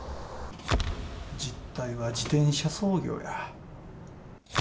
実態は自転車操業や。